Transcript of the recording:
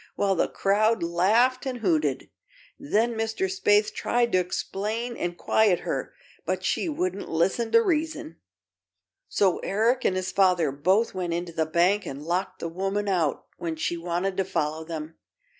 while the crowd laughed an' hooted. Then Mr. Spaythe tried to explain and quiet her, but she wouldn't listen to reason. So Eric and his father both went into the bank and locked the woman out when she wanted to follow them.